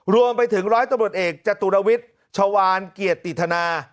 รวมไปถึงร้อยตำรวจเอกจตุรวิทย์ชาวานเกียรติธนา